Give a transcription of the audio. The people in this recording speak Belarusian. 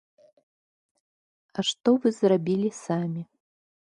А што вы зрабілі самі?